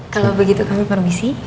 kalau begitu kami permisi